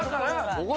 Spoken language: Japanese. これ。